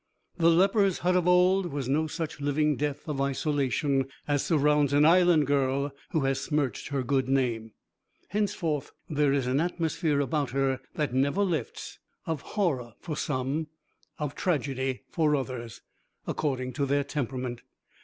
The lepers' hut of old was no such living death of isolation as surrounds an Island girl who has smirched her good name. Henceforth there is an atmosphere about her that never lifts of horror for some, of tragedy for others, according to their temperament.